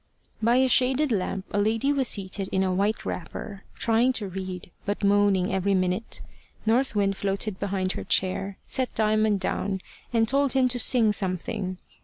By a shaded lamp, a lady was seated in a white wrapper, trying to read, but moaning every minute. North Wind floated behind her chair, set Diamond down, and told him to sing something.